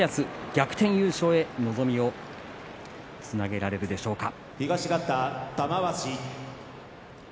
逆転優勝に望みをつなげられるでしょうか。